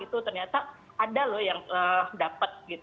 ternyata ada yang dapat